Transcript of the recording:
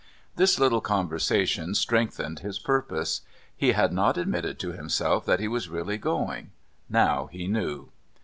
This little conversation strengthened his purpose. He had not admitted to himself that he was really going. Now he knew.